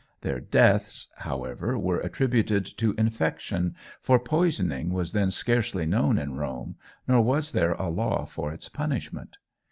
Their deaths, however, were attributed to infection, for poisoning was then scarcely known in Rome nor was there a law for its punishment.